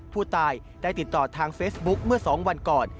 ผู้ตายได้ติดต่อทางเฟซบุ๊คเมื่อ๒วันก่อน